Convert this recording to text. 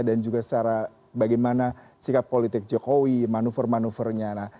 dan juga bagaimana sikap politik jokowi manuver manuvernya